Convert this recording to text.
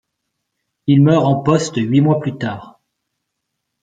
Il meurt en poste huit mois plus tard.